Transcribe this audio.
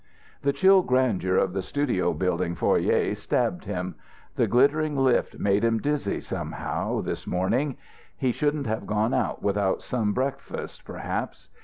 The chill grandeur of the studio building foyer stabbed him. The glittering lift made him dizzy, somehow, this morning. He shouldn't have gone out without some breakfast perhaps.